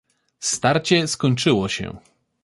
"Starcie skończyło się."